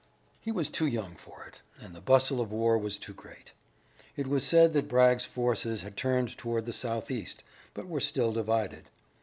He was too young for it, and the bustle of war was too great. It was said that Bragg's forces had turned toward the southeast, but were still divided.